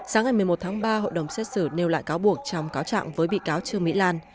sáng ngày một mươi một tháng ba hội đồng xét xử nêu lại cáo buộc trong cáo trạng với bị cáo trương mỹ lan